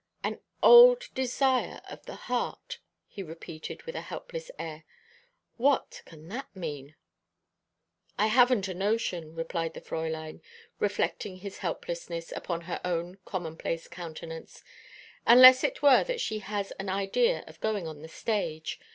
"'An old desire of her heart,'" he repeated, with a helpless air. "What can that mean?" "I haven't a notion," replied the Fräulein, reflecting his helplessness upon her own commonplace countenance, "unless it were that she has an idea of going on the stage.